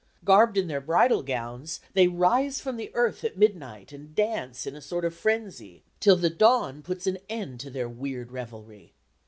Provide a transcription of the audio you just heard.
Garbed in their bridal gowns, they rise from the earth at midnight and dance in a sort of frenzy, till the dawn puts an end to their weird revelry.